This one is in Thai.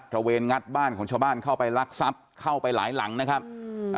ระเวนงัดบ้านของชาวบ้านเข้าไปลักทรัพย์เข้าไปหลายหลังนะครับอืม